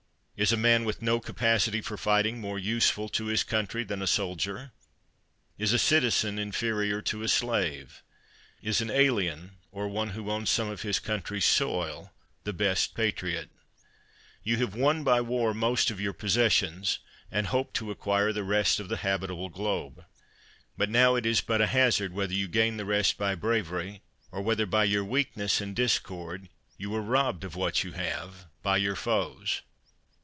Is a man with no capacity for fighting more useful to his coun try than a soldier? Is a citizen inferior to a slave? Is an alien, or one who owns some of his country's soil, the best patriot? You have won by war most of your possessions, and hope to acquire the rest of the habitable globe. But now it is but a hazard whether you gain the rest by bravery or whether by your weakness and dis cords you are robbed of what you have by your foes.